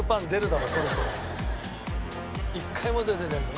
１回も出てねえぞ。